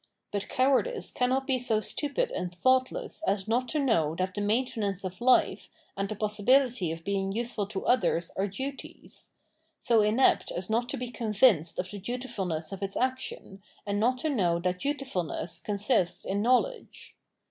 But cowardice cannot be so stupid and thoughtless as not to know that the maintenance of life and the possibility of being useful to others are duties — so inept as not to be convinced of the dutifulness of its action, and not to know that dutifulness consists in knowledge.